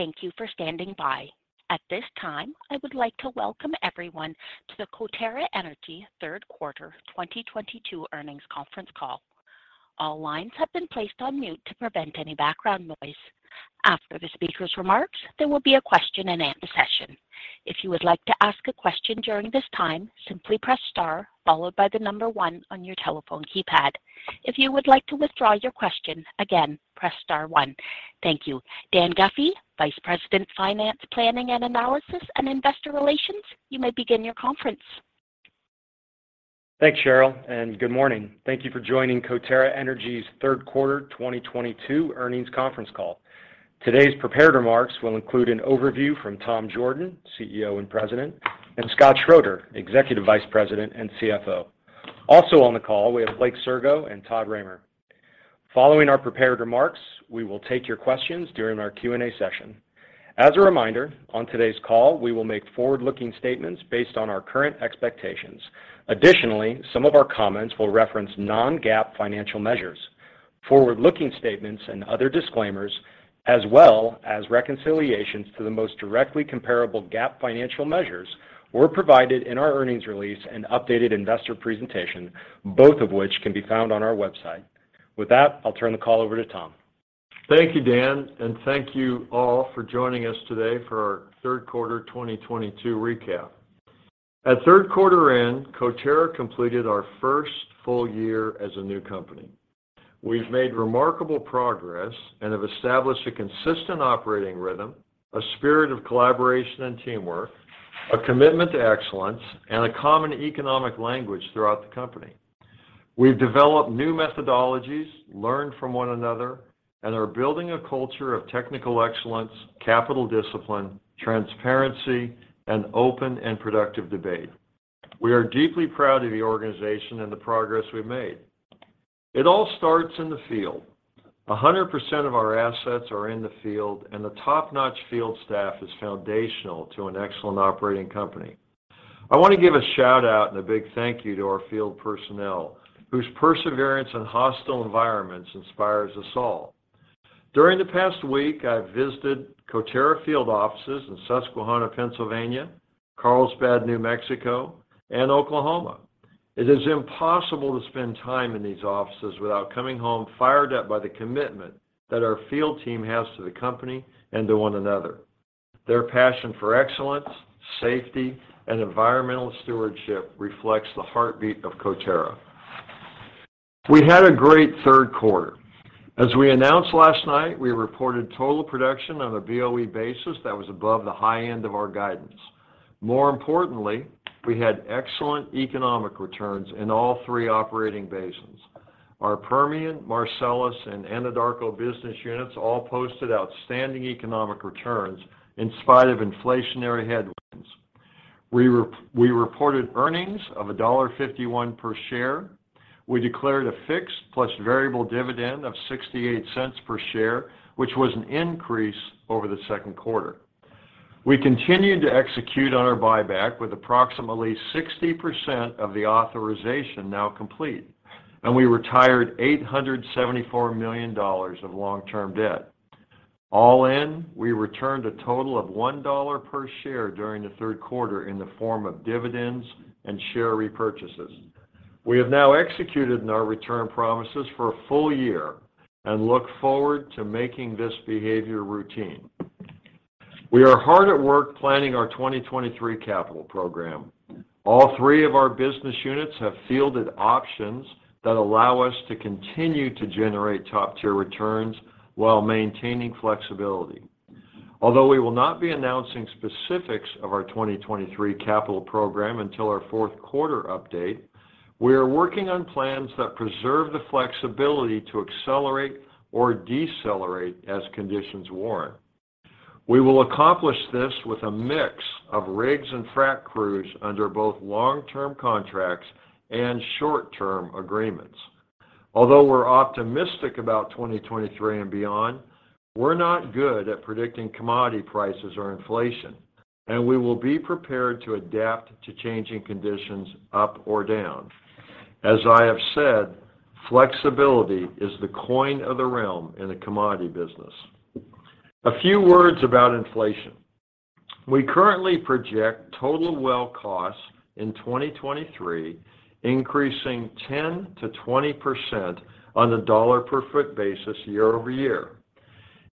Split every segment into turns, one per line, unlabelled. Thank you for standing by. At this time, I would like to welcome everyone to the Coterra Energy third quarter 2022 earnings conference call. All lines have been placed on mute to prevent any background noise. After the speaker's remarks, there will be a question-and-answer session. If you would like to ask a question during this time, simply press star followed by the number one on your telephone keypad. If you would like to withdraw your question, again, press star one. Thank you. Daniel Guffey, Vice President, Finance, Planning and Analysis, and Investor Relations, you may begin your conference.
Thanks, Cheryl, and good morning. Thank you for joining Coterra Energy's third quarter 2022 earnings conference call. Today's prepared remarks will include an overview from Thomas Jorden, CEO and President, and Scott Schroeder, Executive Vice President and CFO. Also on the call, we have Blake Sirgo and Todd Ramer. Following our prepared remarks, we will take your questions during our Q&A session. As a reminder, on today's call, we will make forward-looking statements based on our current expectations. Additionally, some of our comments will reference non-GAAP financial measures. Forward-looking statements and other disclaimers, as well as reconciliations to the most directly comparable GAAP financial measures, were provided in our earnings release and updated investor presentation, both of which can be found on our website. With that, I'll turn the call over to Tom.
Thank you, Dan, and thank you all for joining us today for our third quarter 2022 recap. At third quarter end, Coterra completed our first full year as a new company. We've made remarkable progress and have established a consistent operating rhythm, a spirit of collaboration and teamwork, a commitment to excellence, and a common economic language throughout the company. We've developed new methodologies, learned from one another, and are building a culture of technical excellence, capital discipline, transparency, and open and productive debate. We are deeply proud of the organization and the progress we've made. It all starts in the field. 100% of our assets are in the field, and the top-notch field staff is foundational to an excellent operating company. I wanna give a shout-out and a big thank you to our field personnel, whose perseverance in hostile environments inspires us all. During the past week, I've visited Coterra field offices in Susquehanna, Pennsylvania, Carlsbad, New Mexico, and Oklahoma. It is impossible to spend time in these offices without coming home fired up by the commitment that our field team has to the company and to one another. Their passion for excellence, safety, and environmental stewardship reflects the heartbeat of Coterra. We had a great third quarter. As we announced last night, we reported total production on a BOE basis that was above the high end of our guidance. More importantly, we had excellent economic returns in all three operating basins. Our Permian, Marcellus, and Anadarko business units all posted outstanding economic returns in spite of inflationary headwinds. We reported earnings of $1.51 per share. We declared a fixed plus variable dividend of $0.68 per share, which was an increase over the second quarter. We continued to execute on our buyback with approximately 60% of the authorization now complete, and we retired $874 million of long-term debt. All in, we returned a total of $1 per share during the third quarter in the form of dividends and share repurchases. We have now executed on our return promises for a full year and look forward to making this behavior routine. We are hard at work planning our 2023 capital program. All three of our business units have fielded options that allow us to continue to generate top-tier returns while maintaining flexibility. Although we will not be announcing specifics of our 2023 capital program until our fourth quarter update, we are working on plans that preserve the flexibility to accelerate or decelerate as conditions warrant. We will accomplish this with a mix of rigs and frac crews under both long-term contracts and short-term agreements. Although we're optimistic about 2023 and beyond, we're not good at predicting commodity prices or inflation, and we will be prepared to adapt to changing conditions up or down. As I have said, flexibility is the coin of the realm in the commodity business. A few words about inflation. We currently project total well costs in 2023, increasing 10% to 20% on a dollar per foot basis year-over-year.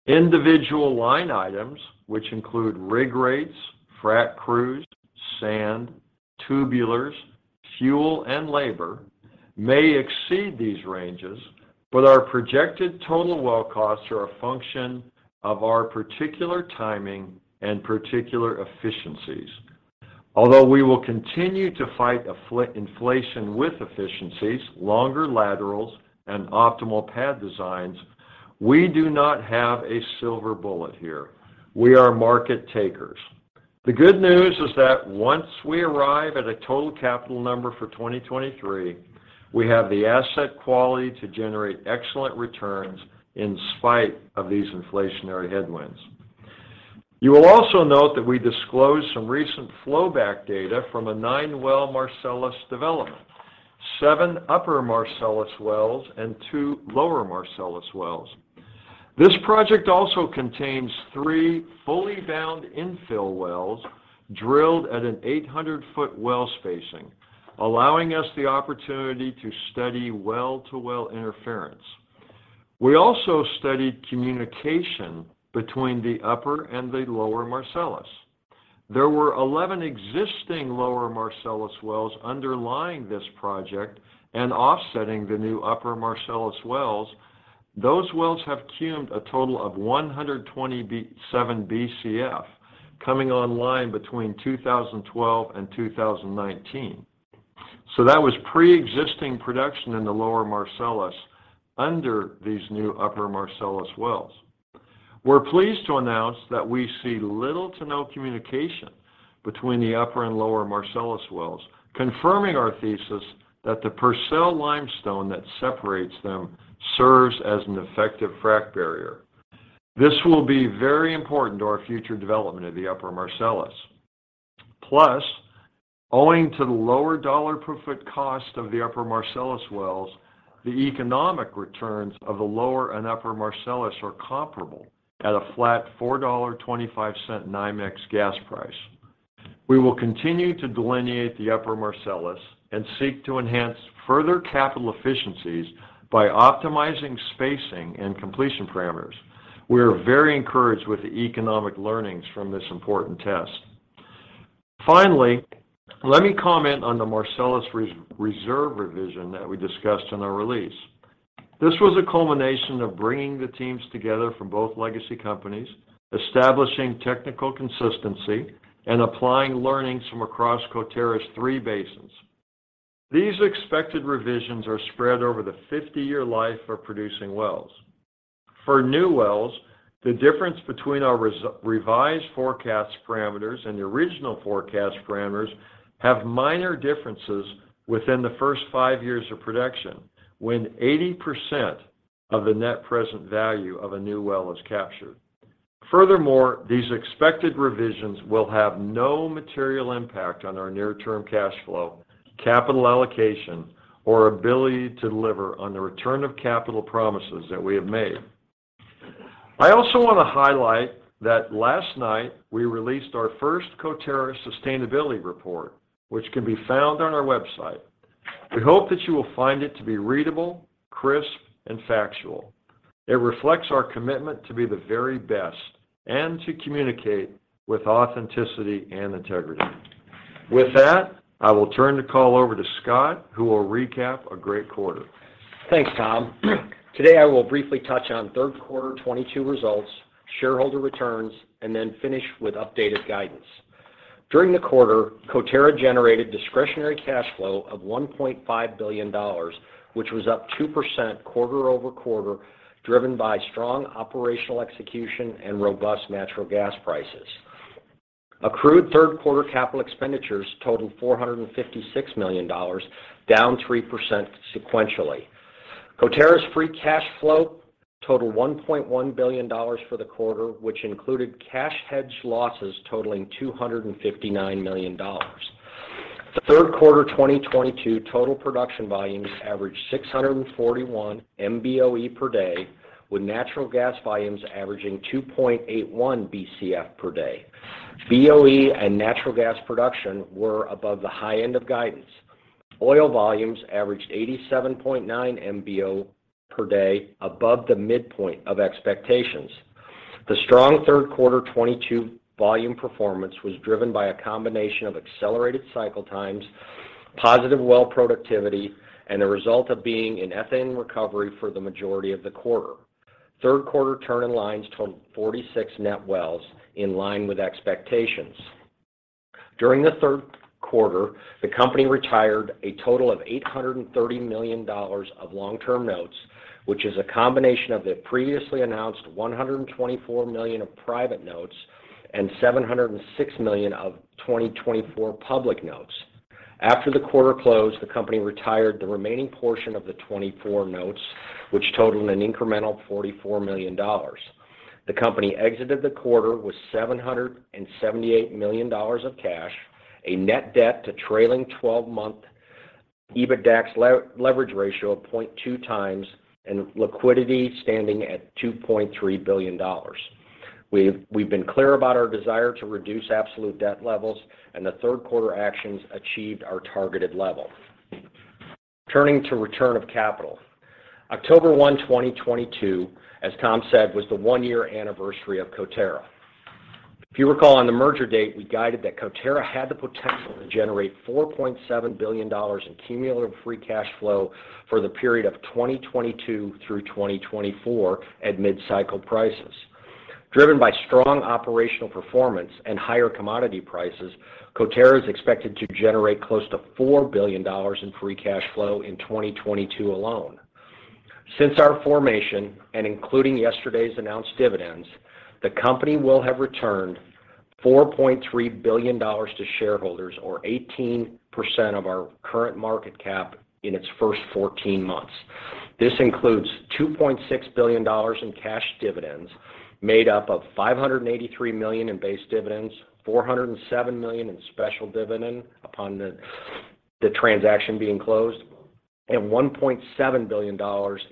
Individual line items, which include rig rates, frac crews, sand, tubulars, fuel, and labor, may exceed these ranges, but our projected total well costs are a function of our particular timing and particular efficiencies. Although we will continue to fight inflation with efficiencies, longer laterals, and optimal pad designs, we do not have a silver bullet here. We are market takers. The good news is that once we arrive at a total capital number for 2023, we have the asset quality to generate excellent returns in spite of these inflationary headwinds. You will also note that we disclosed some recent flowback data from a nine-well Marcellus development. Seven Upper Marcellus wells and two Lower Marcellus wells. This project also contains three fully bounded infill wells drilled at an 800 ft well spacing, allowing us the opportunity to study well-to-well interference. We also studied communication between the Upper and the Lower Marcellus. There were 11 existing Lower Marcellus wells underlying this project and offsetting the new Upper Marcellus wells. Those wells have cum a total of 127 Bcf, coming online between 2012 and 2019. That was preexisting production in the lower Marcellus under these new upper Marcellus wells. We're pleased to announce that we see little to no communication between the upper and lower Marcellus wells, confirming our thesis that the Purcell Limestone that separates them serves as an effective frac barrier. This will be very important to our future development of the upper Marcellus. Plus, owing to the lower dollar per foot cost of the upper Marcellus wells, the economic returns of the lower and upper Marcellus are comparable at a flat $4.25 NYMEX gas price. We will continue to delineate the upper Marcellus and seek to enhance further capital efficiencies by optimizing spacing and completion parameters. We are very encouraged with the economic learnings from this important test. Finally, let me comment on the Marcellus reserve revision that we discussed in our release. This was a culmination of bringing the teams together from both legacy companies, establishing technical consistency, and applying learnings from across Coterra's three basins. These expected revisions are spread over the 50-year life of producing wells. For new wells, the difference between our revised forecast parameters and the original forecast parameters have minor differences within the first five years of production when 80% of the net present value of a new well is captured. Furthermore, these expected revisions will have no material impact on our near-term cash flow, capital allocation, or ability to deliver on the return of capital promises that we have made. I also want to highlight that last night we released our first Coterra Sustainability Report, which can be found on our website. We hope that you will find it to be readable, crisp, and factual. It reflects our commitment to be the very best and to communicate with authenticity and integrity. With that, I will turn the call over to Scott, who will recap a great quarter.
Thanks, Tom. Today, I will briefly touch on third quarter 2022 results, shareholder returns, and then finish with updated guidance. During the quarter, Coterra generated discretionary cash flow of $1.5 billion, which was up 2% quarter-over-quarter, driven by strong operational execution and robust natural gas prices. Accrued third quarter capital expenditures totaled $456 million, down 3% sequentially. Coterra's free cash flow totaled $1.1 billion for the quarter, which included cash hedge losses totaling $259 million. Third quarter 2022 total production volumes averaged 641 MBOE per day, with natural gas volumes averaging 2.81 Bcf per day. BOE and natural gas production were above the high end of guidance. Oil volumes averaged 87.9 MBO per day, above the midpoint of expectations. The strong third quarter 2022 volume performance was driven by a combination of accelerated cycle times, positive well productivity, and the result of being in ethane recovery for the majority of the quarter. Third quarter turn-in-lines totaled 46 net wells in line with expectations. During the third quarter, the company retired a total of $830 million of long-term notes, which is a combination of the previously announced $124 million of private notes and $706 million of 2024 public notes. After the quarter closed, the company retired the remaining portion of the 2024 notes, which totaled an incremental $44 million. The company exited the quarter with $778 million of cash, a net debt to trailing 12-month EBITDAX leverage ratio of 0.2 times, and liquidity standing at $2.3 billion. We've been clear about our desire to reduce absolute debt levels, and the third quarter actions achieved our targeted level. Turning to return of capital. October 1, 2022, as Tom said, was the one-year anniversary of Coterra. If you recall, on the merger date, we guided that Coterra had the potential to generate $4.7 billion in cumulative free cash flow for the period of 2022 through 2024 at mid-cycle prices. Driven by strong operational performance and higher commodity prices, Coterra is expected to generate close to $4 billion in free cash flow in 2022 alone. Since our formation, and including yesterday's announced dividends, the company will have returned $4.3 billion to shareholders or 18% of our current market cap in its first 14 months. This includes $2.6 billion in cash dividends made up of $583 million in base dividends, $407 million in special dividend upon the transaction being closed, and $1.7 billion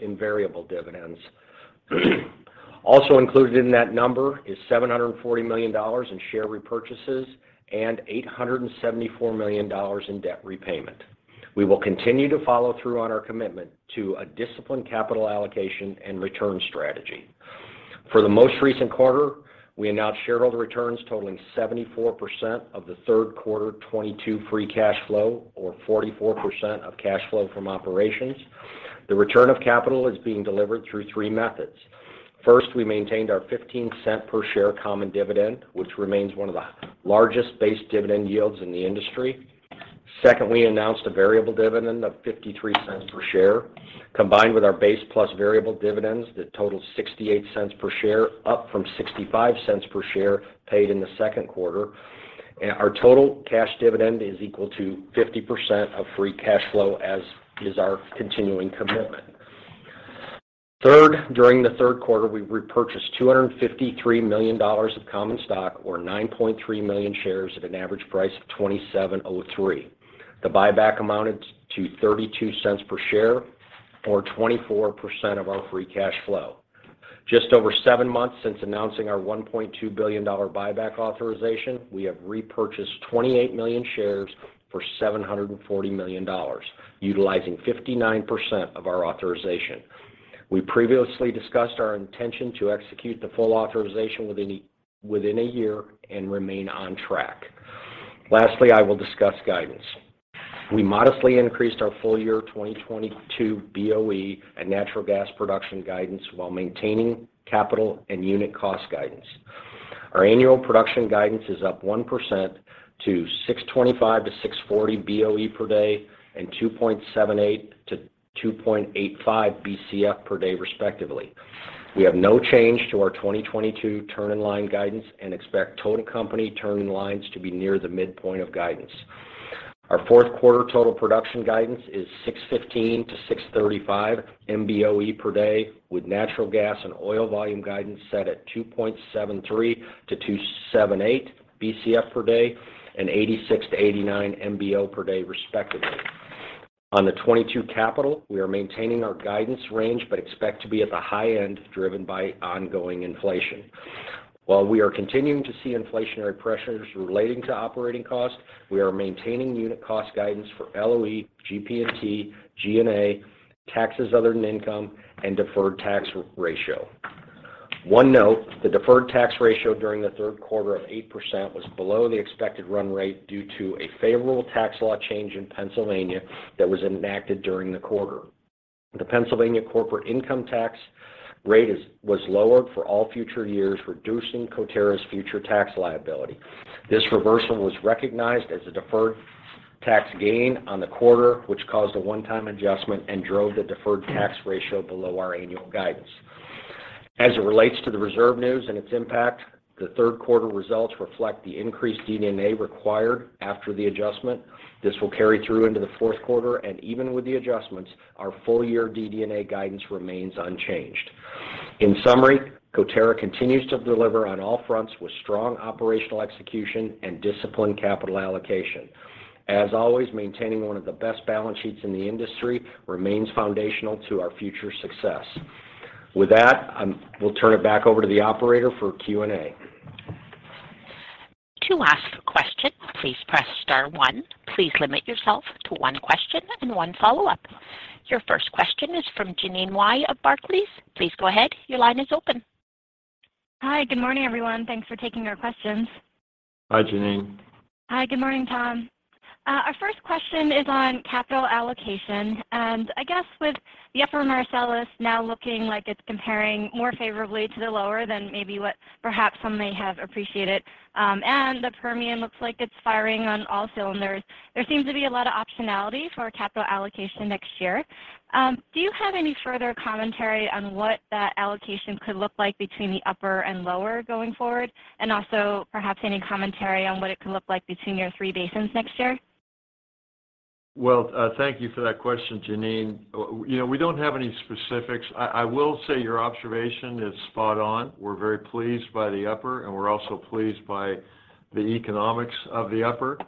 in variable dividends. Also included in that number is $740 million in share repurchases and $874 million in debt repayment. We will continue to follow through on our commitment to a disciplined capital allocation and return strategy. For the most recent quarter, we announced shareholder returns totaling 74% of the third quarter 2022 free cash flow or 44% of cash flow from operations. The return of capital is being delivered through three methods. First, we maintained our $0.15 per share common dividend, which remains one of the largest base dividend yields in the industry. Second, we announced a variable dividend of $0.53 per share. Combined with our base plus variable dividends that total $0.68 per share, up from $0.65 per share paid in the second quarter. Our total cash dividend is equal to 50% of free cash flow, as is our continuing commitment. Third, during the third quarter, we repurchased $253 million of common stock, or 9.3 million shares at an average price of $27.03. The buyback amounted to $0.32 per share or 24% of our free cash flow. Just over seven months since announcing our $1.2 billion buyback authorization, we have repurchased 28 million shares for $740 million, utilizing 59% of our authorization. We previously discussed our intention to execute the full authorization within a year and remain on track. Lastly, I will discuss guidance. We modestly increased our full-year 2022 BOE and natural gas production guidance while maintaining capital and unit cost guidance. Our annual production guidance is up 1% to 625 BOE to 640 BOE per day and 2.78 Bcf to 2.85 Bcf per day, respectively. We have no change to our 2022 turn-in-line guidance and expect total company turn-in-lines to be near the midpoint of guidance. Our fourth quarter total production guidance is 615 to 635 MBOE per day with natural gas and oil volume guidance set at 2.73 to 2.78 Bcf per day and 86 to 89 MBO per day, respectively. On the 2022 capital, we are maintaining our guidance range but expect to be at the high end, driven by ongoing inflation. While we are continuing to see inflationary pressures relating to operating costs, we are maintaining unit cost guidance for LOE, GP&T, G&A, taxes other than income, and deferred tax ratio. One note, the deferred tax ratio during the third quarter of 8% was below the expected run rate due to a favorable tax law change in Pennsylvania that was enacted during the quarter. The Pennsylvania corporate income tax rate was lowered for all future years, reducing Coterra's future tax liability. This reversal was recognized as a deferred tax gain on the quarter, which caused a one-time adjustment and drove the deferred tax ratio below our annual guidance. As it relates to the reserve news and its impact, the third quarter results reflect the increased DD&A required after the adjustment. This will carry through into the fourth quarter and even with the adjustments, our full-year DD&A guidance remains unchanged. In summary, Coterra continues to deliver on all fronts with strong operational execution and disciplined capital allocation. As always, maintaining one of the best balance sheets in the industry remains foundational to our future success. With that, we'll turn it back over to the operator for Q&A.
To ask a question, please press star one. Please limit yourself to one question and one follow-up. Your first question is from Jeanine Wai of Barclays. Please go ahead. Your line is open.
Hi. Good morning, everyone. Thanks for taking our questions.
Hi, Jeanine.
Hi. Good morning, Tom. Our first question is on capital allocation. I guess with the Upper Marcellus now looking like it's comparing more favorably to the Lower than maybe what perhaps some may have appreciated, and the Permian looks like it's firing on all cylinders, there seems to be a lot of optionality for capital allocation next year. Do you have any further commentary on what that allocation could look like between the Upper and Lower going forward? And also perhaps any commentary on what it could look like between your three basins next year?
Well, thank you for that question, Jeanine. You know, we don't have any specifics. I will say your observation is spot on. We're very pleased by the Upper, and we're also pleased by the economics of the Upper.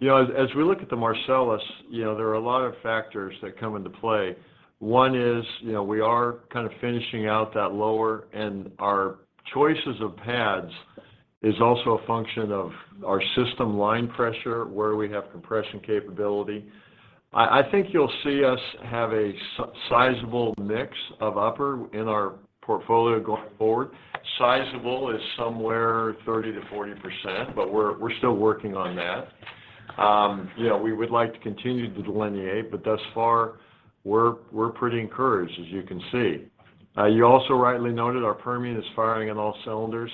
You know, as we look at the Marcellus, you know, there are a lot of factors that come into play. One is, you know, we are kind of finishing out that Lower, and our choices of pads is also a function of our system line pressure, where we have compression capability. I think you'll see us have a sizeable mix of Upper in our portfolio going forward. Sizeable is somewhere 30% to 40%, but we're still working on that. You know, we would like to continue to delineate, but thus far we're pretty encouraged, as you can see. You also rightly noted our Permian is firing on all cylinders.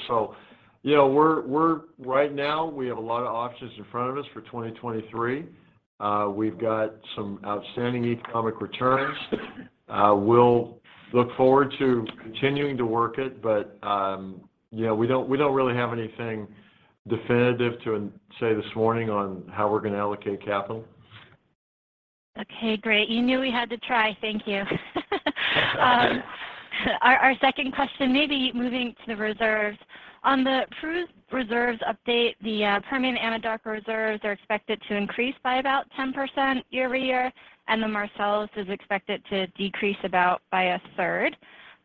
You know, right now we have a lot of options in front of us for 2023. We've got some outstanding economic returns. We'll Look forward to continuing to work it, but, yeah, we don't really have anything definitive to say this morning on how we're gonna allocate capital.
Okay, great. You knew we had to try. Thank you. Our second question, maybe moving to the reserves. On the reserves update, the Permian Anadarko reserves are expected to increase by about 10% year-over-year, and the Marcellus is expected to decrease by about a third.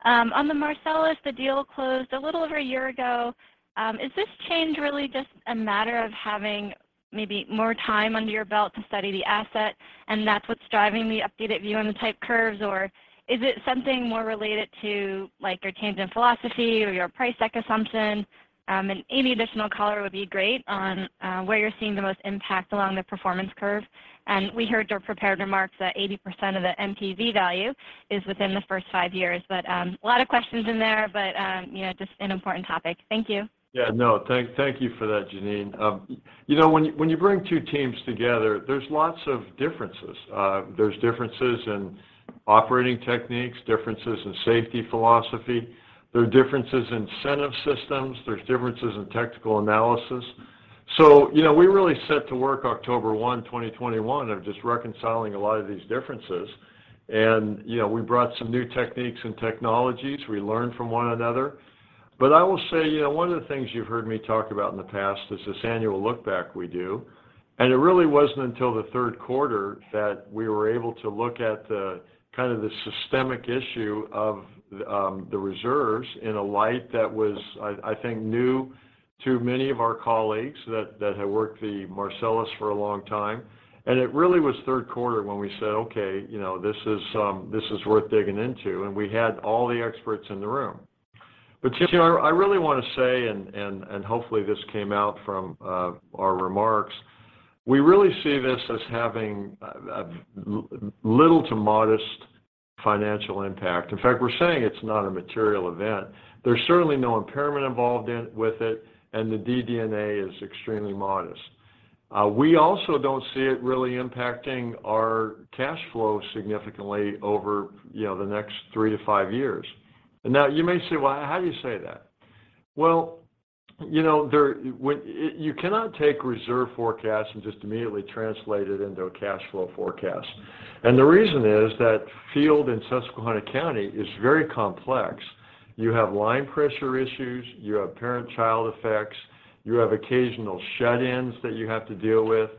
On the Marcellus, the deal closed a little over a year ago. Is this change really just a matter of having maybe more time under your belt to study the asset, and that's what's driving the updated view on the type curves? Or is it something more related to, like, your tangent philosophy or your price deck assumption? Any additional color would be great on where you're seeing the most impact along the performance curve. We heard your prepared remarks that 80% of the NPV value is within the first five years. A lot of questions in there, but you know, just an important topic. Thank you.
Yeah, no, thank you for that, Jeanine. You know, when you bring two teams together, there's lots of differences. There's differences in operating techniques, differences in safety philosophy. There are differences in incentive systems. There's differences in technical analysis. You know, we really set to work October 1, 2021, of just reconciling a lot of these differences. You know, we brought some new techniques and technologies. We learned from one another. I will say, you know, one of the things you've heard me talk about in the past is this annual look back we do. It really wasn't until the third quarter that we were able to look at the kind of systemic issue of the reserves in a light that was, I think, new to many of our colleagues that had worked the Marcellus for a long time. It really was third quarter when we said, "Okay, you know, this is worth digging into." We had all the experts in the room. Janine, I really wanna say and hopefully this came out from our remarks, we really see this as having little to modest financial impact. In fact, we're saying it's not a material event. There's certainly no impairment involved in with it, and the DD&A is extremely modest. We also don't see it really impacting our cash flow significantly over, you know, the next three to five years. Now, you may say, "Well, how do you say that?" Well, you know, you cannot take reserve forecasts and just immediately translate it into a cash flow forecast. The reason is that field in Susquehanna County is very complex. You have line pressure issues. You have parent-child effects. You have occasional shut-ins that you have to deal with.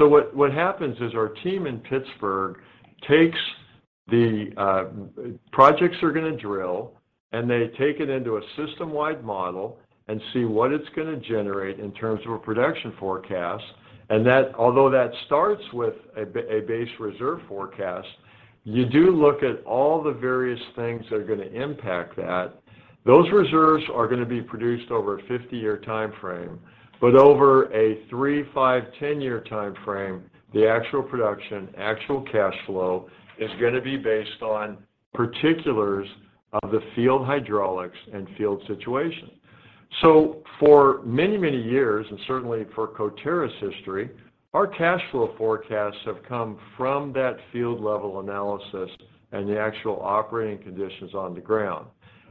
What happens is our team in Pittsburgh takes the projects they're gonna drill, and they take it into a system-wide model and see what it's gonna generate in terms of a production forecast. Although that starts with a base reserve forecast, you do look at all the various things that are gonna impact that. Those reserves are gonna be produced over a 50-year timeframe. Over a three, five, 10-year timeframe, the actual production, actual cash flow is gonna be based on particulars of the field hydraulics and field situation. For many, many years, and certainly for Coterra's history, our cash flow forecasts have come from that field level analysis and the actual operating conditions on the ground.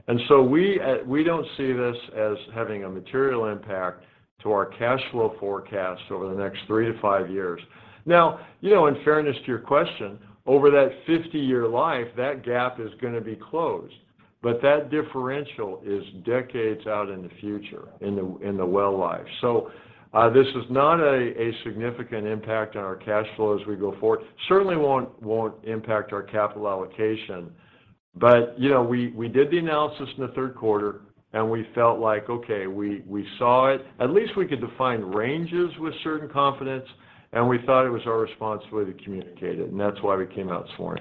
We don't see this as having a material impact to our cash flow forecast over the next three to five years. Now, you know, in fairness to your question, over that 50-year life, that gap is gonna be closed, but that differential is decades out in the future in the well life. This is not a significant impact on our cash flow as we go forward. Certainly won't impact our capital allocation. You know, we did the analysis in the third quarter, and we felt like, okay, we saw it. At least we could define ranges with certain confidence, and we thought it was our responsibility to communicate it, and that's why we came out strong.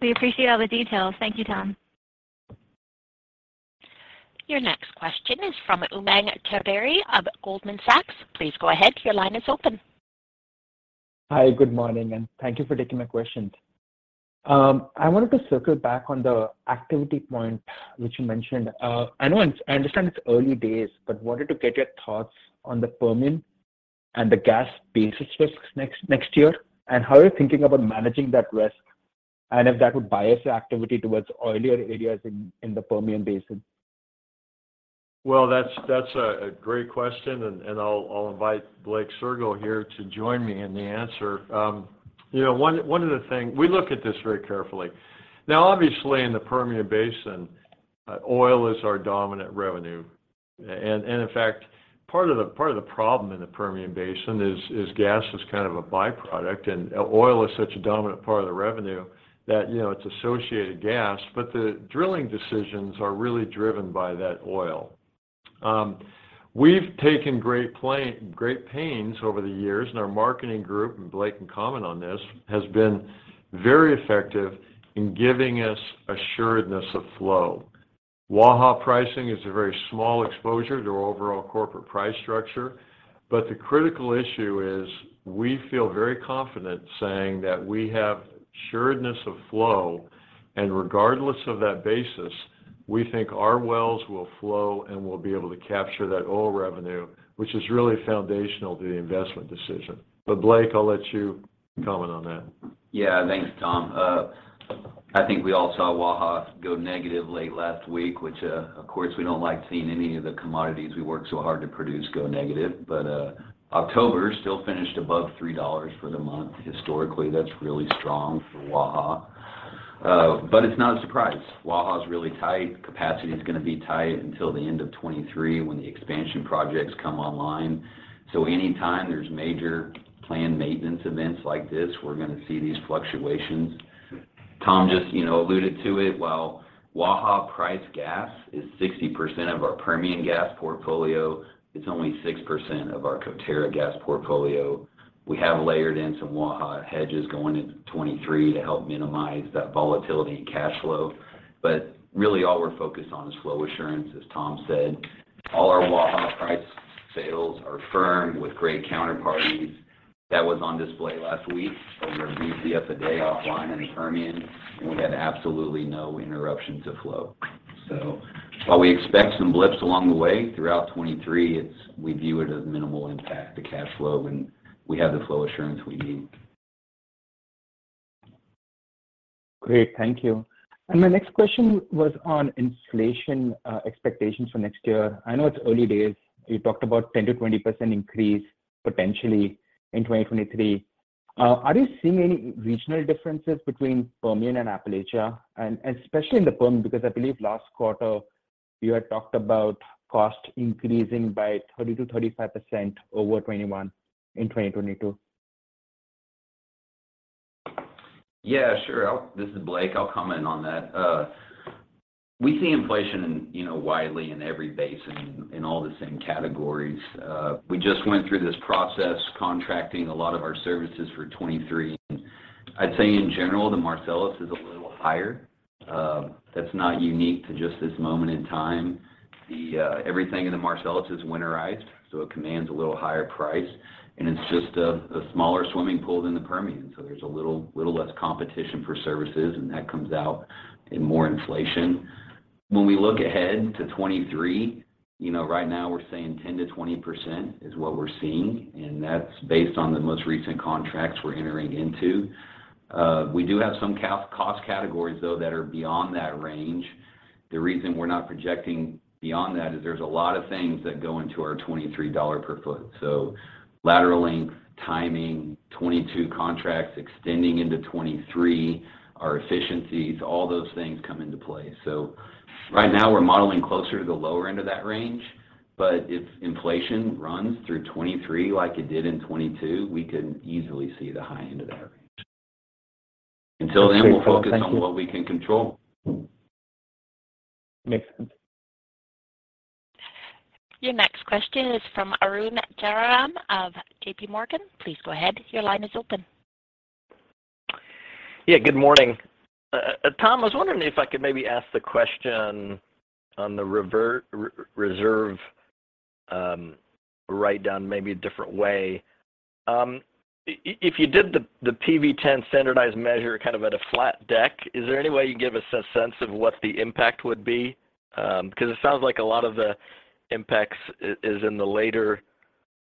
We appreciate all the details. Thank you, Tom.
Your next question is from Umang Choudhary of Goldman Sachs. Please go ahead. Your line is open.
Hi. Good morning, and thank you for taking my questions. I wanted to circle back on the activity point which you mentioned. I understand it's early days, but wanted to get your thoughts on the Permian and the gas basis risks next year and how you're thinking about managing that risk and if that would bias your activity towards oilier areas in the Permian Basin.
Well, that's a great question, and I'll invite Blake Sirgo here to join me in the answer. You know, one of the things we look at very carefully. Now, obviously, in the Permian Basin, oil is our dominant revenue. In fact, part of the problem in the Permian Basin is gas is kind of a byproduct, and oil is such a dominant part of the revenue that, you know, it's associated gas, but the drilling decisions are really driven by that oil. We've taken great pains over the years, and our marketing group, and Blake can comment on this, has been very effective in giving us assuredness of flow. Waha pricing is a very small exposure to our overall corporate price structure, but the critical issue is we feel very confident saying that we have assuredness of flow, and regardless of that basis, we think our wells will flow, and we'll be able to capture that oil revenue, which is really foundational to the investment decision. Blake, I'll let you comment on that.
Yeah. Thanks, Tom. I think we all saw Waha go negative late last week, which, of course, we don't like seeing any of the commodities we worked so hard to produce go negative. October still finished above $3 for the month. Historically, that's really strong for Waha. It's not a surprise. Waha's really tight. Capacity is gonna be tight until the end of 2023, when the expansion projects come online. Any time there's major planned maintenance events like this, we're gonna see these fluctuations. Tom just, you know, alluded to it. While Waha-priced gas is 60% of our Permian gas portfolio, it's only 6% of our Coterra gas portfolio. We have layered in some Waha hedges going into 2023 to help minimize that volatility in cash flow. Really, all we're focused on is flow assurance, as Tom said. All our Waha price sales are firm with great counterparties. That was on display last week when we were briefly up a day offline in the Permian, and we had absolutely no interruption to flow. While we expect some blips along the way throughout 2023, it's. We view it as minimal impact to cash flow, and we have the flow assurance we need.
Great. Thank you. My next question was on inflation, expectations for next year. I know it's early days. You talked about 10% to 20% increase potentially in 2023. Are you seeing any regional differences between Permian and Appalachia, and especially in the Perm, because I believe last quarter you had talked about cost increasing by 30% to 35% over 2021 in 2022?
Yeah, sure. This is Blake. I'll comment on that. We see inflation, you know, widely in every basin in all the same categories. We just went through this process, contracting a lot of our services for 2023. I'd say in general, the Marcellus is a little higher. That's not unique to just this moment in time. Everything in the Marcellus is winterized, so it commands a little higher price, and it's just a smaller swimming pool than the Permian, so there's a little less competition for services, and that comes out in more inflation. When we look ahead to 2023, you know, right now we're saying 10% to 20% is what we're seeing, and that's based on the most recent contracts we're entering into. We do have some cost categories, though, that are beyond that range. The reason we're not projecting beyond that is there's a lot of things that go into our $23 per foot. Lateral length, timing, 2022 contracts extending into 2023, our efficiencies, all those things come into play. Right now we're modeling closer to the lower end of that range. If inflation runs through 2023 like it did in 2022, we could easily see the high end of that range. Until then, we'll focus on what we can control.
Makes sense.
Your next question is from Arun Jayaram of J.P. Morgan. Please go ahead. Your line is open.
Yeah. Good morning. Tom, I was wondering if I could maybe ask the question on the reserve write-down maybe a different way. If you did the PV-10 standardized measure kind of at a flat deck, is there any way you can give us a sense of what the impact would be? 'Cause it sounds like a lot of the impacts is in the later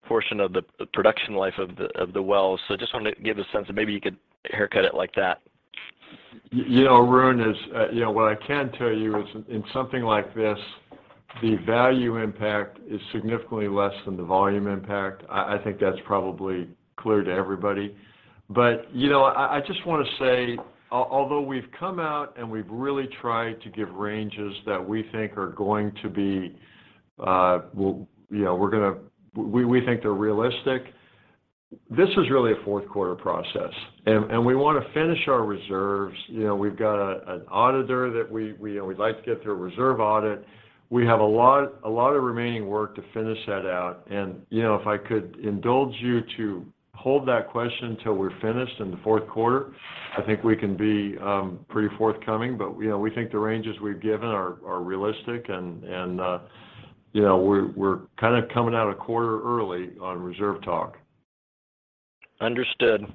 portion of the production life of the wells. Just wanted to get a sense of maybe you could haircut it like that.
You know, Arun, you know, what I can tell you is in something like this, the value impact is significantly less than the volume impact. I think that's probably clear to everybody. You know, I just wanna say, although we've come out and we've really tried to give ranges that we think are going to be, you know, we think they're realistic, this is really a fourth quarter process. We wanna finish our reserves. You know, we've got an auditor that we, you know, we'd like to get their reserve audit. We have a lot of remaining work to finish that out. You know, if I could indulge you to hold that question till we're finished in the fourth quarter, I think we can be pretty forthcoming. You know, we think the ranges we've given are realistic and you know, we're kinda coming out a quarter early on reserve talk.
Understood.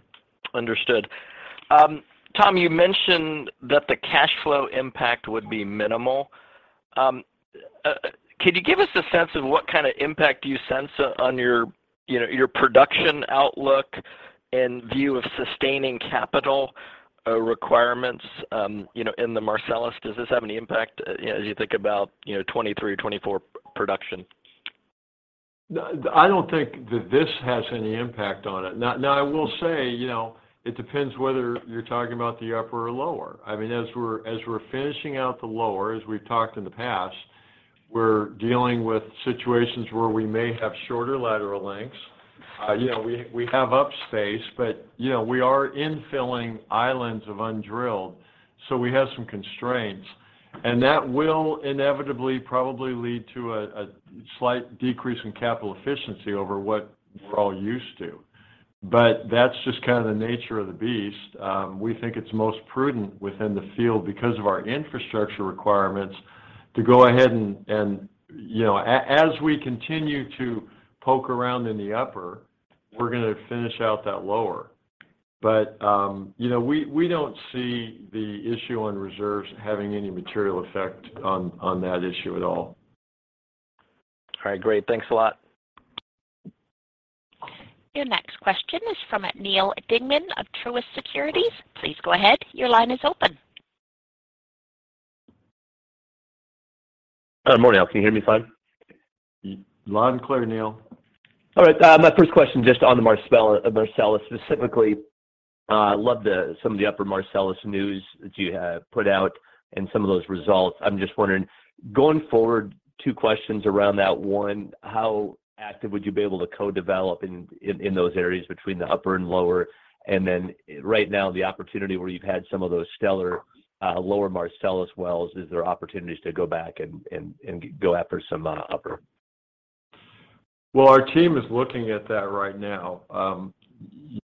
Tom, you mentioned that the cash flow impact would be minimal. Could you give us a sense of what kind of impact do you sense on your, you know, your production outlook in view of sustaining capital requirements, you know, in the Marcellus? Does this have any impact as you think about, you know, 2023 or 2024 production?
I don't think that this has any impact on it. Now I will say, you know, it depends whether you're talking about the upper or lower. I mean, as we're finishing out the lower, as we've talked in the past, we're dealing with situations where we may have shorter lateral lengths. You know, we have up space, but, you know, we are infilling islands of undrilled, so we have some constraints. That will inevitably probably lead to a slight decrease in capital efficiency over what we're all used to. That's just kinda the nature of the beast. We think it's most prudent within the field because of our infrastructure requirements to go ahead and, you know. As we continue to poke around in the upper, we're gonna finish out that lower. You know, we don't see the issue on reserves having any material effect on that issue at all.
All right, great. Thanks a lot.
Your next question is from Neal Dingmann of Truist Securities. Please go ahead. Your line is open.
Morning, Neal. Can you hear me fine?
Loud and clear, Neal.
All right. My first question just on the Marcellus specifically. Love some of the Upper Marcellus news that you have put out and some of those results. I'm just wondering, going forward, two questions around that. One, how active would you be able to co-develop in those areas between the Upper and Lower? Right now, the opportunity where you've had some of those stellar Lower Marcellus wells, is there opportunities to go back and go after some upper?
Well, our team is looking at that right now.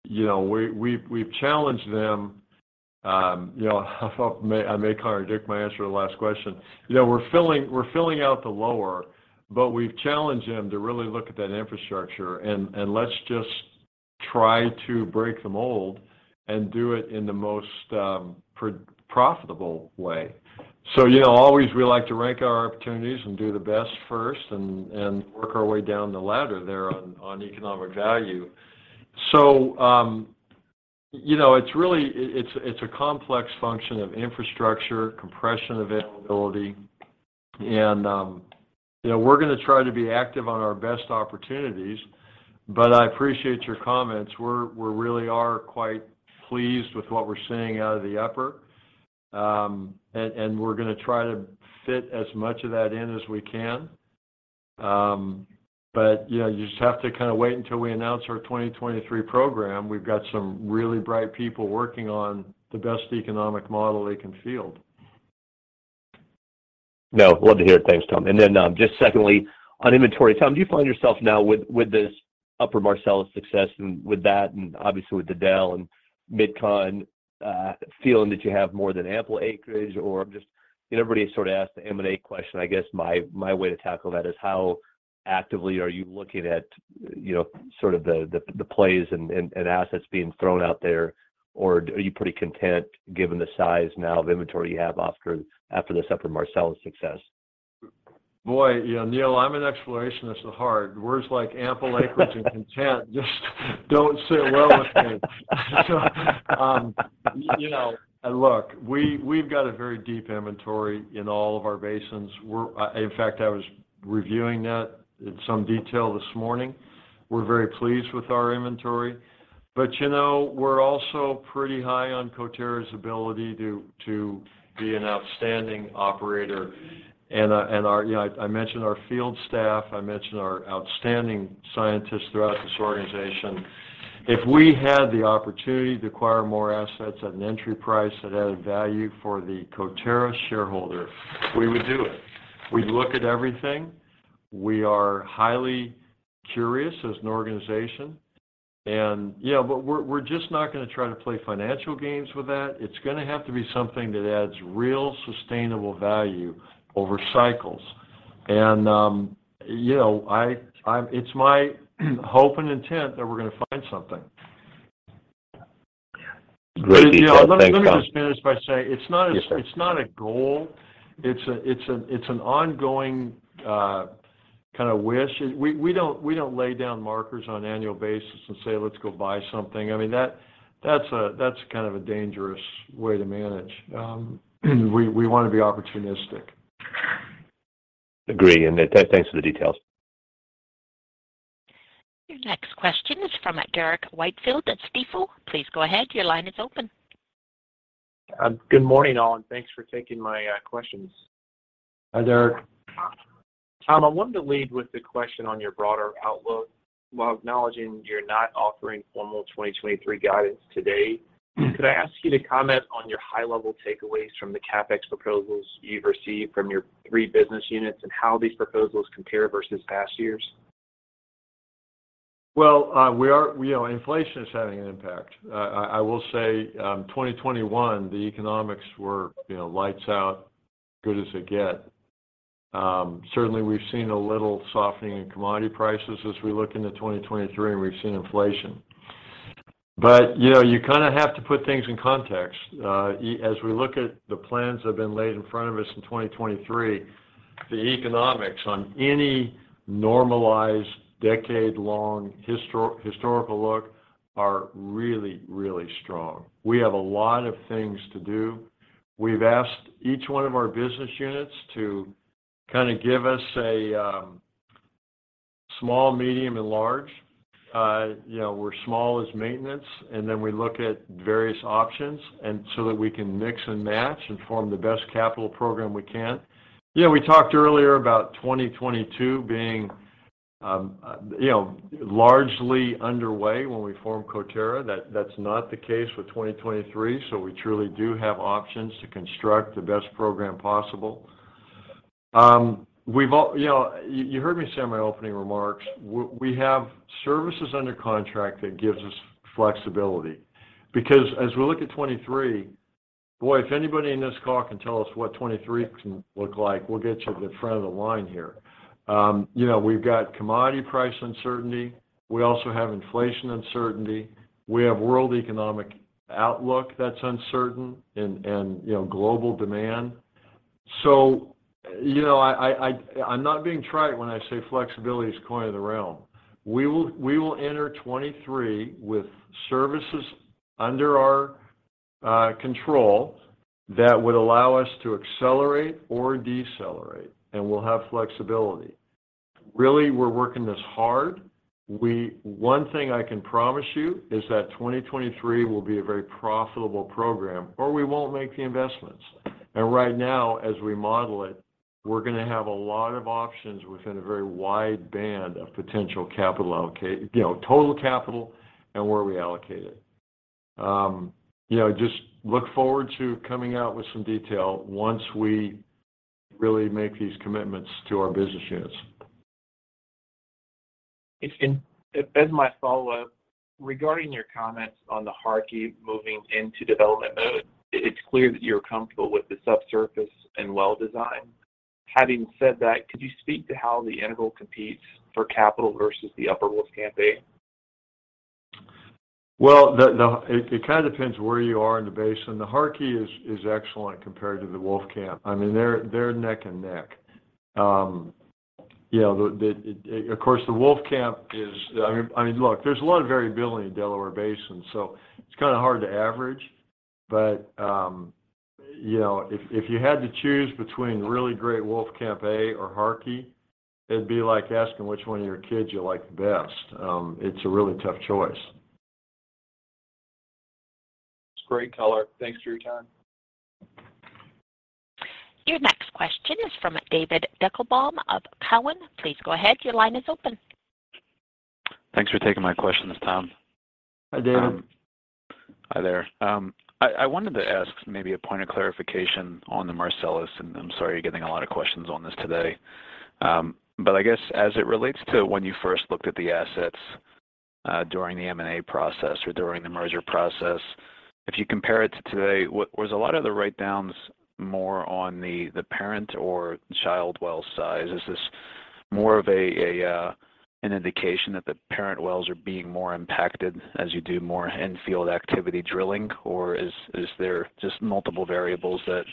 You know, we've challenged them, you know, I may contradict my answer to the last question. You know, we're filling out the lower, but we've challenged them to really look at that infrastructure and let's just try to break the mold and do it in the most profitable way. You know, always we like to rank our opportunities and do the best first and work our way down the ladder there on economic value. You know, it's a complex function of infrastructure, compression availability, and you know, we're gonna try to be active on our best opportunities. I appreciate your comments. We're really quite pleased with what we're seeing out of the upper. We're gonna try to fit as much of that in as we can. You know, you just have to kind of wait until we announce our 2023 program. We've got some really bright people working on the best economic model they can field.
No, love to hear it. Thanks, Tom. Just secondly, on inventory, Tom, do you find yourself now with this Upper Marcellus success and with that and obviously with the Del and MidCon, feeling that you have more than ample acreage? Or just everybody sort of asked the M&A question. I guess my way to tackle that is how actively are you looking at, you know, sort of the plays and assets being thrown out there? Or are you pretty content given the size now of inventory you have after this Upper Marcellus success?
Boy, you know, Neal, I'm an explorationist at heart. Words like ample acreage and content just don't sit well with me. You know, look, we've got a very deep inventory in all of our basins. In fact, I was reviewing that in some detail this morning. We're very pleased with our inventory, but, you know, we're also pretty high on Coterra's ability to be an outstanding operator. You know, I mentioned our field staff, I mentioned our outstanding scientists throughout this organization. If we had the opportunity to acquire more assets at an entry price that added value for the Coterra shareholder, we would do it. We look at everything. We are highly curious as an organization and yeah, but we're just not gonna try to play financial games with that. It's gonna have to be something that adds real sustainable value over cycles. You know, it's my hope and intent that we're gonna find something.
Great. Yeah. Thanks, Tom.
Let me just finish by saying it's not.
Yes, sir.
It's not a goal. It's an ongoing kind of wish. We don't lay down markers on an annual basis and say, "Let's go buy something." I mean, that's kind of a dangerous way to manage. We want to be opportunistic.
Agree. Thanks for the details.
Your next question is from Derrick Whitfield at Stifel. Please go ahead. Your line is open.
Good morning, all, and thanks for taking my questions.
Hi, Derrick.
Tom, I wanted to lead with the question on your broader outlook. While acknowledging you're not offering formal 2023 guidance today.
Mm-hmm
Could I ask you to comment on your high level takeaways from the CapEx proposals you've received from your three business units and how these proposals compare versus past years?
Well, you know, inflation is having an impact. I will say, 2021, the economics were, you know, lights out, good as it get. Certainly we've seen a little softening in commodity prices as we look into 2023 and we've seen inflation. You know, you kind of have to put things in context. As we look at the plans that have been laid in front of us in 2023, the economics on any normalized decade-long historical look are really, really strong. We have a lot of things to do. We've asked each one of our business units to kind of give us a small, medium, and large. You know, where small is maintenance, and then we look at various options and so that we can mix and match and form the best capital program we can. You know, we talked earlier about 2022 being, you know, largely underway when we formed Coterra. That's not the case with 2023. We truly do have options to construct the best program possible. You know, you heard me say in my opening remarks, we have services under contract that gives us flexibility. Because as we look at 2023. Boy, if anybody in this call can tell us what 2023 can look like, we'll get you to the front of the line here. You know, we've got commodity price uncertainty. We also have inflation uncertainty. We have world economic outlook that's uncertain and, you know, global demand. You know, I am not being trite when I say flexibility is coin of the realm. We will enter 2023 with services under our control that would allow us to accelerate or decelerate, and we'll have flexibility. Really, we're working this hard. One thing I can promise you is that 2023 will be a very profitable program, or we won't make the investments. Right now, as we model it, we're gonna have a lot of options within a very wide band of potential capital, you know, total capital and where we allocate it. You know, just look forward to coming out with some detail once we really make these commitments to our business units.
As my follow-up, regarding your comments on the Harkey moving into development mode, it's clear that you're comfortable with the subsurface and well design. Having said that, could you speak to how the Harkey competes for capital versus the Upper Wolfcamp A?
Well, it kind of depends where you are in the basin. The Harkey is excellent compared to the Wolfcamp. I mean, they're neck and neck. You know, of course, the Wolfcamp is. I mean, look, there's a lot of variability in Delaware Basin, so it's kinda hard to average. You know, if you had to choose between really great Wolfcamp A or Harkey, it'd be like asking which one of your kids you like the best. It's a really tough choice.
It's a great color. Thanks for your time.
Your next question is from David Deckelbaum of TD Cowen. Please go ahead. Your line is open.
Thanks for taking my questions, Tom.
Hi, David.
Hi there. I wanted to ask maybe a point of clarification on the Marcellus, and I'm sorry you're getting a lot of questions on this today. I guess as it relates to when you first looked at the assets, during the M&A process or during the merger process, if you compare it to today, what was a lot of the write-downs more on the parent or child well size? Is this more of an indication that the parent wells are being more impacted as you do more in-field activity drilling, or is there just multiple variables that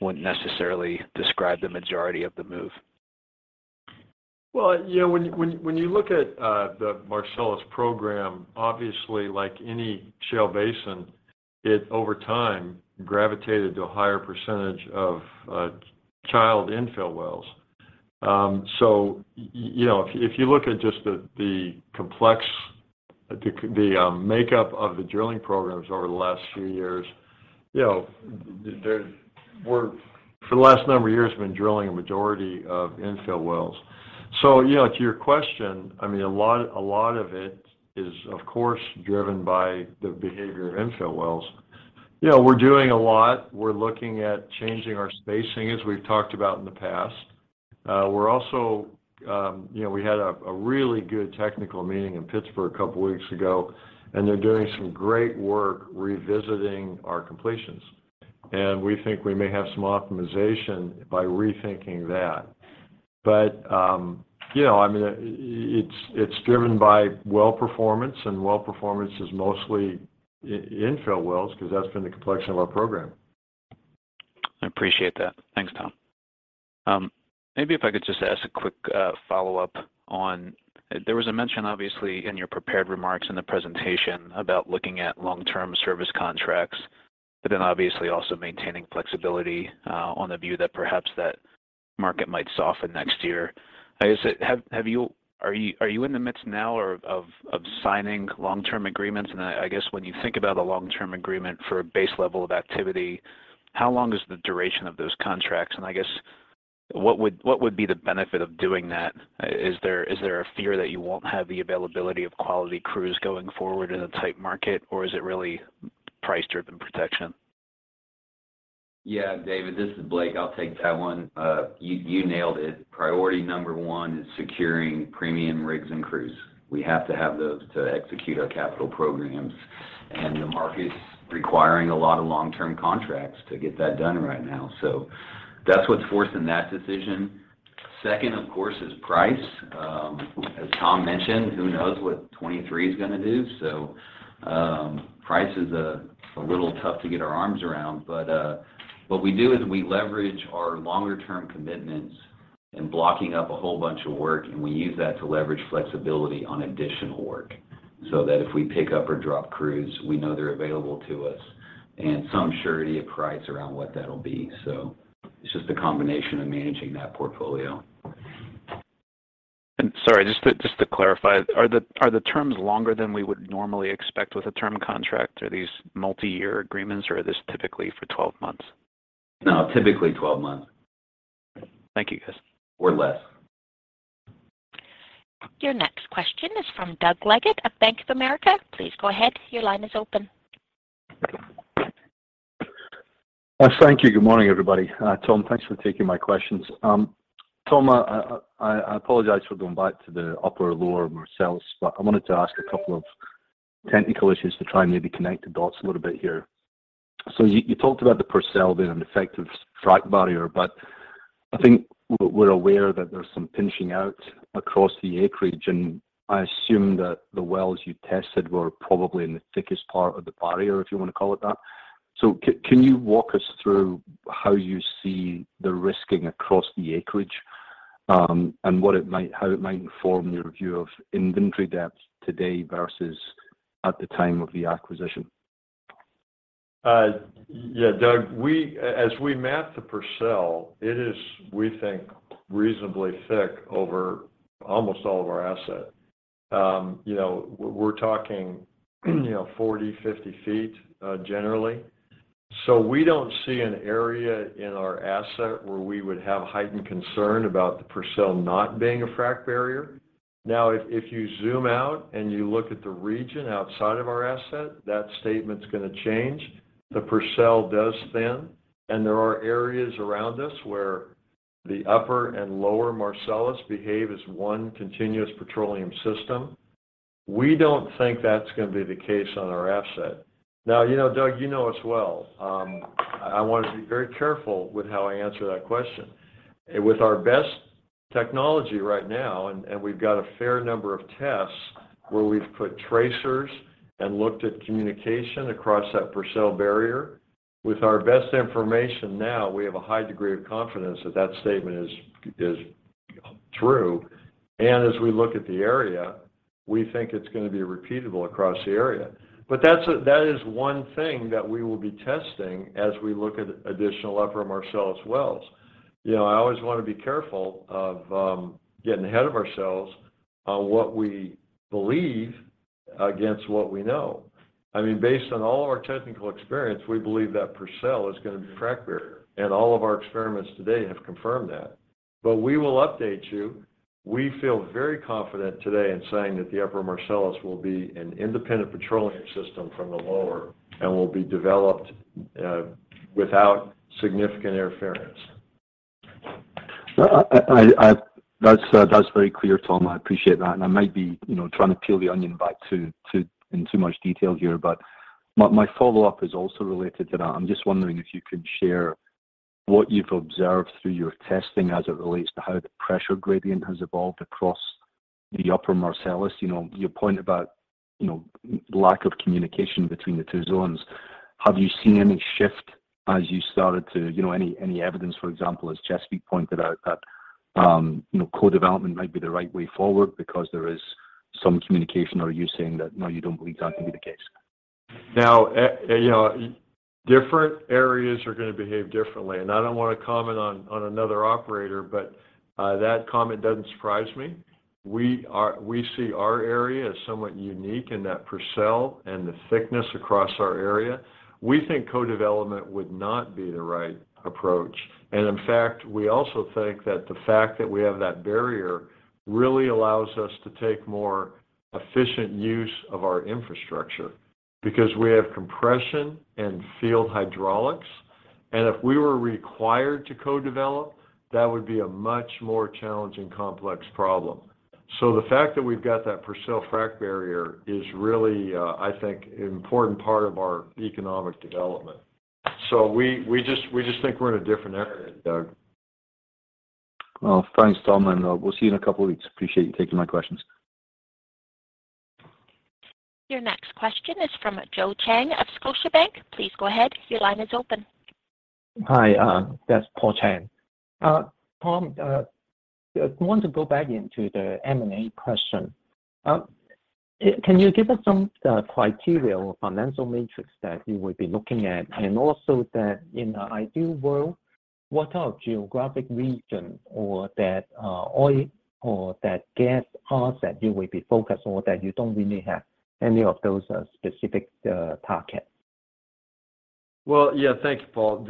wouldn't necessarily describe the majority of the move?
Well, you know, when you look at the Marcellus program, obviously like any shale basin, it over time gravitated to a higher percentage of child infill wells. You know, if you look at just the complexity, the makeup of the drilling programs over the last few years, you know, we're for the last number of years have been drilling a majority of infill wells. You know, to your question, I mean, a lot of it is of course driven by the behavior of infill wells. You know, we're doing a lot. We're looking at changing our spacing, as we've talked about in the past. We're also. You know, we had a really good technical meeting in Pittsburgh a couple weeks ago, and they're doing some great work revisiting our completions, and we think we may have some optimization by rethinking that. You know, I mean, it's driven by well performance, and well performance is mostly infill wells because that's been the complexion of our program.
I appreciate that. Thanks, Tom. Maybe if I could just ask a quick follow-up. There was a mention, obviously, in your prepared remarks in the presentation about looking at long-term service contracts, but then obviously also maintaining flexibility on the view that perhaps that market might soften next year. I guess, are you in the midst now or of signing long-term agreements? And I guess when you think about a long-term agreement for a base level of activity, how long is the duration of those contracts? And I guess what would be the benefit of doing that? Is there a fear that you won't have the availability of quality crews going forward in a tight market, or is it really price-driven protection?
Yeah. David Deckelbaum, this is Blake Sirgo. I'll take that one. You nailed it. Priority number one is securing premium rigs and crews. We have to have those to execute our capital programs, and the market's requiring a lot of long-term contracts to get that done right now. That's what's forcing that decision. Second, of course, is price. As Thomas Jorden mentioned, who knows what 2023 is gonna do? Price is a little tough to get our arms around. What we do is we leverage our longer term commitments in blocking up a whole bunch of work, and we use that to leverage flexibility on additional work, so that if we pick up or drop crews, we know they're available to us and some surety of price around what that'll be. It's just a combination of managing that portfolio.
Sorry, just to clarify, are the terms longer than we would normally expect with a term contract? Are these multi-year agreements, or are this typically for 12 months?
No, typically 12 months.
Thank you, guys.
Less.
Your next question is from Doug Leggate at Bank of America. Please go ahead. Your line is open.
Thank you. Good morning, everybody. Tom, thanks for taking my questions. Tom, I apologize for going back to the Upper and Lower Marcellus, but I wanted to ask a couple of technical issues to try and maybe connect the dots a little bit here. You talked about the Purcell being an effective frack barrier, but I think we're aware that there's some pinching out across the acreage, and I assume that the wells you tested were probably in the thickest part of the barrier, if you want to call it that. Can you walk us through how you see the risking across the acreage, and how it might inform your view of inventory depth today versus at the time of the acquisition?
Yeah, Doug, as we map the Purcell, it is, we think, reasonably thick over almost all of our asset. You know, we're talking, you know, 40 ft, 50 ft, generally. We don't see an area in our asset where we would have heightened concern about the Purcell not being a frack barrier. If you zoom out and you look at the region outside of our asset, that statement's gonna change. The Purcell does thin, and there are areas around us where the Upper and Lower Marcellus behave as one continuous petroleum system. We don't think that's gonna be the case on our asset. You know, Doug, you know us well. I want to be very careful with how I answer that question. With our best technology right now, and we've got a fair number of tests where we've put tracers and looked at communication across that Purcell barrier. With our best information now, we have a high degree of confidence that that statement is true. As we look at the area, we think it's gonna be repeatable across the area. That is one thing that we will be testing as we look at additional Upper Marcellus wells. You know, I always want to be careful of getting ahead of ourselves on what we believe against what we know. I mean, based on all of our technical experience, we believe that Purcell is gonna be frac barrier, and all of our experiments today have confirmed that. We will update you. We feel very confident today in saying that the Upper Marcellus will be an independent petroleum system from the Lower and will be developed without significant interference.
That's very clear, Tom. I appreciate that. I might be, you know, trying to peel the onion back in too much detail here, but my follow-up is also related to that. I'm just wondering if you could share what you've observed through your testing as it relates to how the pressure gradient has evolved across the Upper Marcellus. You know, your point about, you know, lack of communication between the two zones. Have you seen any shift as you started to, you know, any evidence, for example, as Chesapeake pointed out that, you know, co-development might be the right way forward because there is some communication? Or are you saying that, no, you don't believe that to be the case?
Now, you know, different areas are gonna behave differently, and I don't wanna comment on another operator, but that comment doesn't surprise me. We see our area as somewhat unique in that Purcell and the thickness across our area. We think co-development would not be the right approach. In fact, we also think that the fact that we have that barrier really allows us to take more efficient use of our infrastructure because we have compression and field hydraulics. If we were required to co-develop, that would be a much more challenging, complex problem. The fact that we've got that Purcell frack barrier is really, I think, an important part of our economic development. We just think we're in a different area, Doug.
Well, thanks, Tom, and we'll see you in a couple of weeks. Appreciate you taking my questions.
Your next question is from Paul Cheng of Scotiabank. Please go ahead. Your line is open.
Hi, that's Paul Cheng. Thomas Jordan, I want to go back into the M&A question. Can you give us some criteria or financial metrics that you would be looking at? Also that in an ideal world, what are geographic region or that oil or that gas asset you would be focused on that you don't already have any of those specific target?
Well, yeah. Thank you, Paul.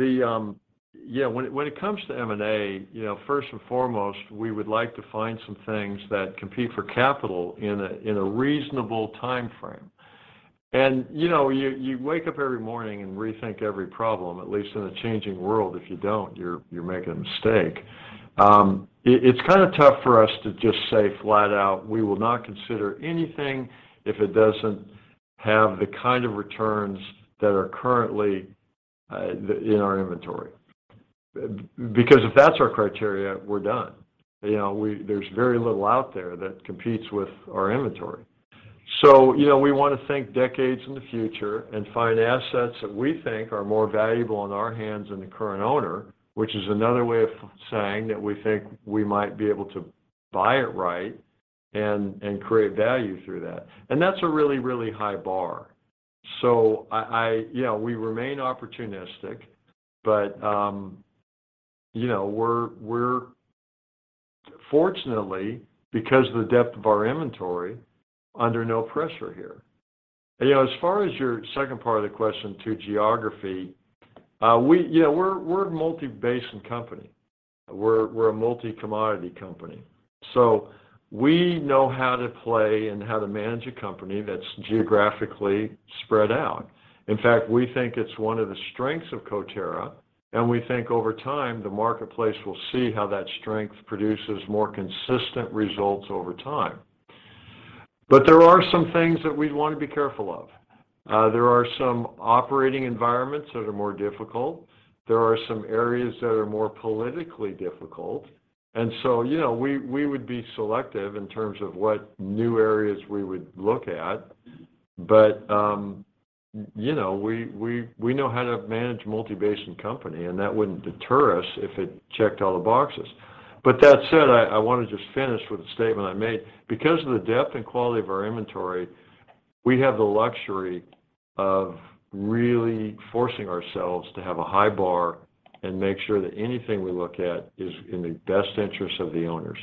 Yeah, when it comes to M&A, you know, first and foremost, we would like to find some things that compete for capital in a reasonable timeframe. You know, you wake up every morning and rethink every problem, at least in a changing world. If you don't, you're making a mistake. It's kinda tough for us to just say flat out, "We will not consider anything if it doesn't have the kind of returns that are currently in our inventory." Because if that's our criteria, we're done. You know, there's very little out there that competes with our inventory. You know, we wanna think decades in the future and find assets that we think are more valuable in our hands than the current owner, which is another way of saying that we think we might be able to buy it right and create value through that. That's a really, really high bar. You know, we remain opportunistic, but you know, we're fortunately, because of the depth of our inventory, under no pressure here. You know, as far as your second part of the question to geography, You know, we're a multi-basin company. We're a multi-commodity company. We know how to play and how to manage a company that's geographically spread out. In fact, we think it's one of the strengths of Coterra, and we think over time the marketplace will see how that strength produces more consistent results over time. But there are some things that we'd want to be careful of. There are some operating environments that are more difficult. There are some areas that are more politically difficult. You know, we would be selective in terms of what new areas we would look at. You know, we know how to manage a multi-basin company, and that wouldn't deter us if it checked all the boxes. That said, I want to just finish with a statement I made. Because of the depth and quality of our inventory, we have the luxury of really forcing ourselves to have a high bar and make sure that anything we look at is in the best interest of the owners.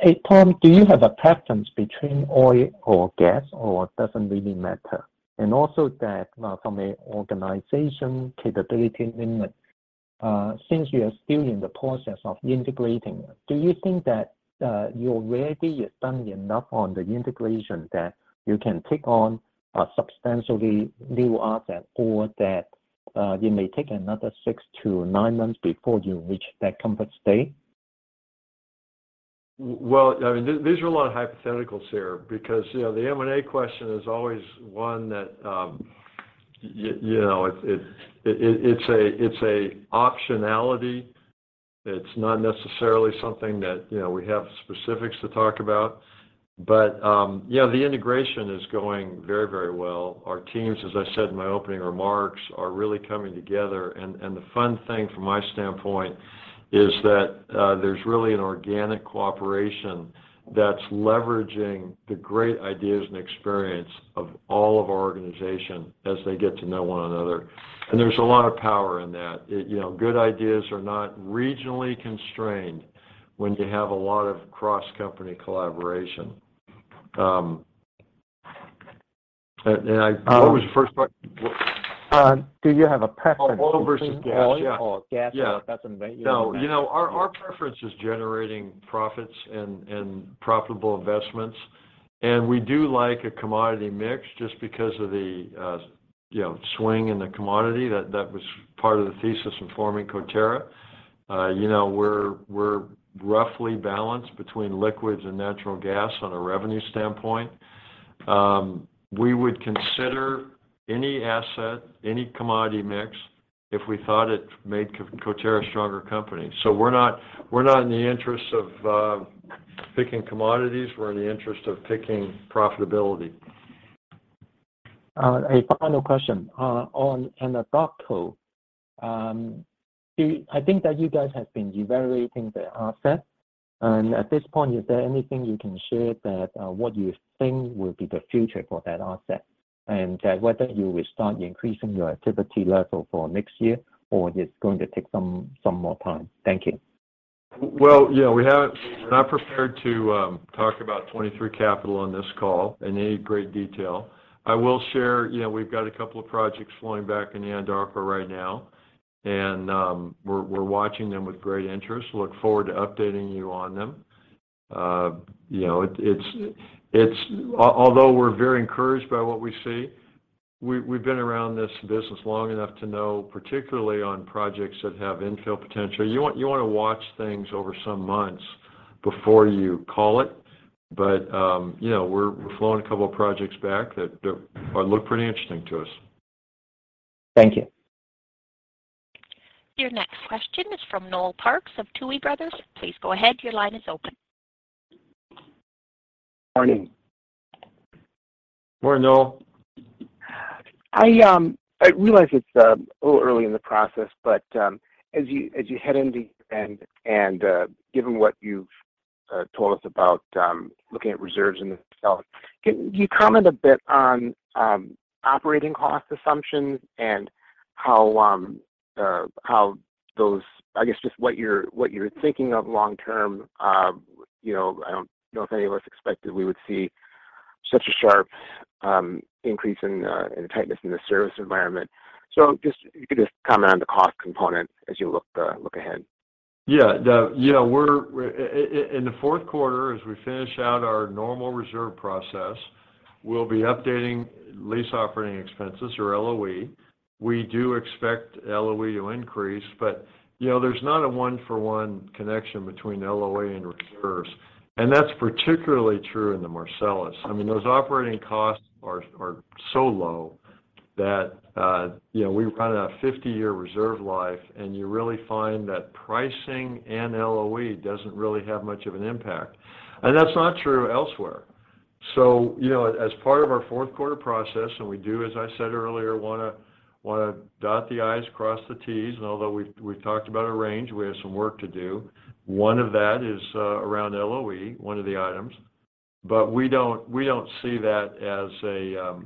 Hey, Tom, do you have a preference between oil or gas, or it doesn't really matter? Also that from a organization capability limit, since you are still in the process of integrating, do you think that you already have done enough on the integration that you can take on a substantially new asset or that you may take another six to nine months before you reach that comfort state?
Well, I mean, these are a lot of hypotheticals here because, you know, the M&A question is always one that, you know, it's an optionality. It's not necessarily something that, you know, we have specifics to talk about. You know, the integration is going very, very well. Our teams, as I said in my opening remarks, are really coming together. The fun thing from my standpoint is that, there's really an organic cooperation that's leveraging the great ideas and experience of all of our organization as they get to know one another. There's a lot of power in that. You know, good ideas are not regionally constrained when you have a lot of cross-company collaboration. What was the first part?
Do you have a preference?
Oh, oil versus gas? Yeah.
between oil or gas?
Yeah.
Or it doesn't ma-
No. You know, our preference is generating profits and profitable investments. We do like a commodity mix just because of the swing in the commodity that was part of the thesis in forming Coterra. You know, we're roughly balanced between liquids and natural gas on a revenue standpoint. We would consider any asset, any commodity mix if we thought it made Coterra a stronger company. We're not in the interest of picking commodities. We're in the interest of picking profitability.
A final question on Anadarko. I think that you guys have been evaluating the asset, and at this point, is there anything you can share that what you think will be the future for that asset? Whether you will start increasing your activity level for next year or it's going to take some more time? Thank you.
Well, you know, we're not prepared to talk about 2023 capital on this call in any great detail. I will share, you know, we've got a couple of projects flowing back in the Anadarko right now, and we're watching them with great interest. Look forward to updating you on them. You know, although we're very encouraged by what we see, we've been around this business long enough to know, particularly on projects that have infill potential, you want to watch things over some months before you call it. You know, we're flowing a couple of projects back that look pretty interesting to us.
Thank you.
Your next question is from Noel Parks of Tuohy Brothers. Please go ahead. Your line is open.
Morning.
Morning, Noel.
I realize it's a little early in the process, but as you head into year-end and given what you've told us about looking at reserves in itself, can you comment a bit on operating cost assumptions and how those, I guess just what you're thinking of long term? You know, I don't know if any of us expected we would see such a sharp increase in the tightness in the service environment. So if you could just comment on the cost component as you look ahead.
Yeah. You know, we're in the fourth quarter, as we finish out our normal reserve process, we'll be updating lease operating expenses or LOE. We do expect LOE to increase, but, you know, there's not a one-for-one connection between LOE and reserves, and that's particularly true in the Marcellus. I mean, those operating costs are so low that, you know, we're kind of at 50-year reserve life, and you really find that pricing and LOE doesn't really have much of an impact. That's not true elsewhere. You know, as part of our fourth quarter process, and we do, as I said earlier, wanna dot the I's, cross the T's, and although we talked about a range, we have some work to do. One of those is around LOE, one of the items. We don't see that as a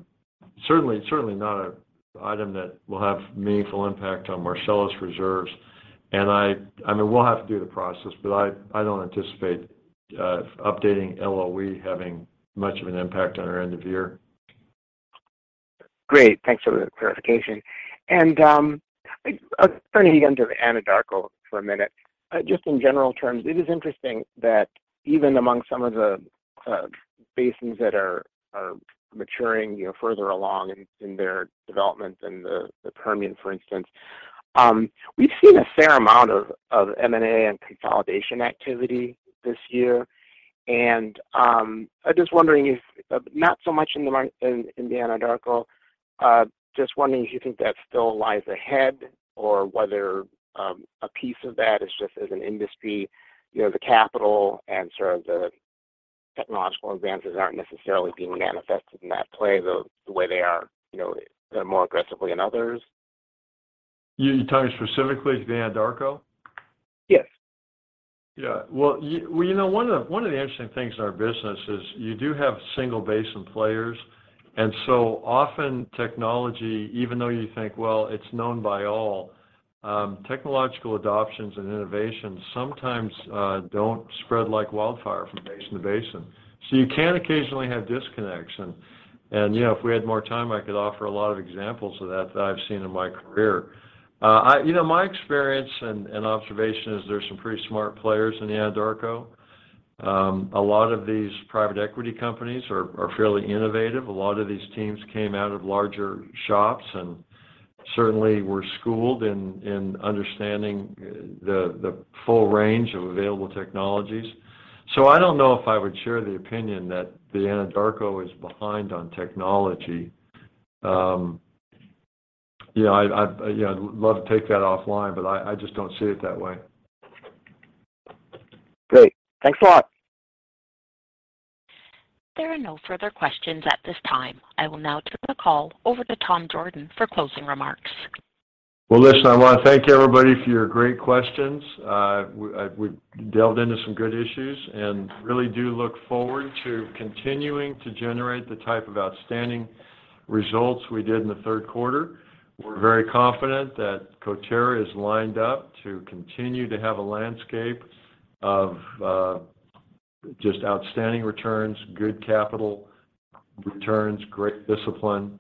certainly not a item that will have meaningful impact on Marcellus reserves. I mean, we'll have to do the process, but I don't anticipate updating LOE having much of an impact on our end of year.
Great. Thanks for the clarification. Like, turning again to Anadarko for a minute. Just in general terms, it is interesting that even among some of the basins that are maturing, you know, further along in their development in the Permian, for instance, we've seen a fair amount of M&A and consolidation activity this year. I'm just wondering if not so much in the Anadarko, just wondering if you think that still lies ahead or whether a piece of that is just as an industry, you know, the capital and sort of the technological advances aren't necessarily being manifested in that play the way they are, you know, more aggressively in others.
You're talking specifically to the Anadarko?
Yes.
Yeah. Well, you know, one of the interesting things in our business is you do have single basin players. Often technology, even though you think, well, it's known by all, technological adoptions and innovations sometimes don't spread like wildfire from basin to basin. You can occasionally have disconnection. You know, if we had more time, I could offer a lot of examples of that that I've seen in my career. You know, my experience and observation is there's some pretty smart players in the Anadarko. A lot of these private equity companies are fairly innovative. A lot of these teams came out of larger shops and certainly were schooled in understanding the full range of available technologies. I don't know if I would share the opinion that the Anadarko is behind on technology. I'd love to take that offline, but I just don't see it that way.
Great. Thanks a lot.
There are no further questions at this time. I will now turn the call over to Thomas Jorden for closing remarks.
Well, listen, I wanna thank everybody for your great questions. We delved into some good issues and really do look forward to continuing to generate the type of outstanding results we did in the third quarter. We're very confident that Coterra is lined up to continue to have a landscape of just outstanding returns, good capital returns, great discipline,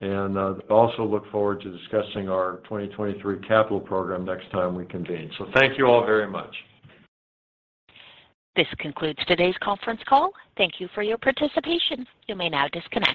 and also look forward to discussing our 2023 capital program next time we convene. Thank you all very much.
This concludes today's conference call. Thank you for your participation. You may now disconnect.